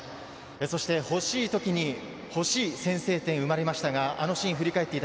そして欲しい時に欲しい先制点が生まれましたが。